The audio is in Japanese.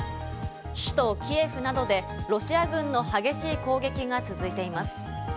首都キエフなどでロシア軍の激しい攻撃が続いています。